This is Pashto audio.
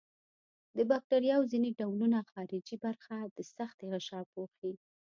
د باکتریاوو ځینې ډولونه خارجي برخه د سختې غشا پوښي.